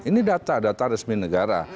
ini data data resmi negara